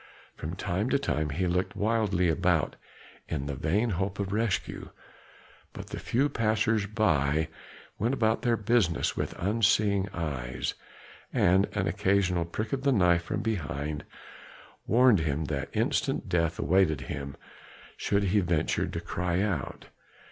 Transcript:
From time to time he looked wildly about in the vain hope of rescue, but the few passers by went about their business with unseeing eyes, and an occasional prick of the knife from behind warned him that instant death awaited him should he venture to cry out.